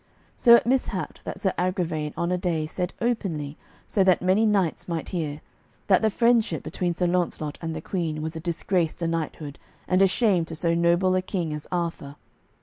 So it mishapped that Sir Agravaine on a day said openly, so that many knights might hear, that the friendship between Sir Launcelot and the Queen was a disgrace to knighthood and a shame to so noble a king as Arthur.